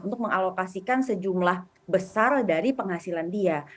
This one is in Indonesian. untuk mengalokasikan sejumlah besar dari penghasilan dia